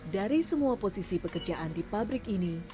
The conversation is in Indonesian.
dari semua posisi pekerjaan di pabrik ini